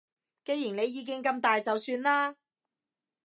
既然你意見咁大就算啦